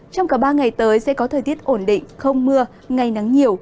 trong cả ba ngày tới sẽ có thời tiết ổn định không mưa ngày nắng nhiều